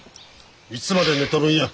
いつまで寝とるんや。